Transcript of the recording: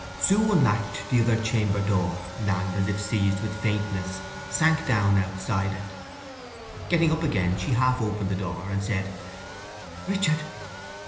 Sue unlatched the other chamber door, and, as if seized with faintness, sank down outside it. Getting up again she half opened the door, and said "Richard."